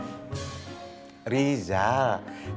yang waktu lebaran anaknya kelolo dan dagi